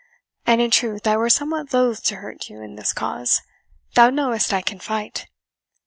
And in truth I were somewhat loath to hurt you in this cause thou knowest I can fight."